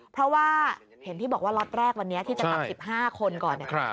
เพราะว่าเห็นที่บอกว่าล็อตแรกวันนี้ที่จะกลับ๑๕คนก่อนเนี่ย